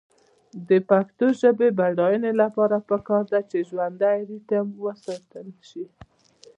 د پښتو ژبې د بډاینې لپاره پکار ده چې ژوندی ریتم وساتل شي.